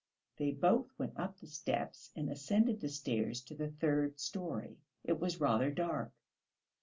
They both went up the steps and ascended the stairs to the third storey. It was rather dark.